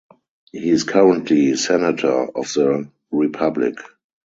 He is currently Senator of the Republic.